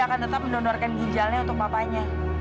tapi dia tetap mendonorkan ginjalnya untuk papanya